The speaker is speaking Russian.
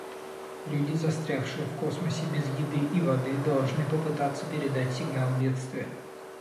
Люди, застрявшие в космосе без еды и воды, должны попытаться передать сигнал бедствия.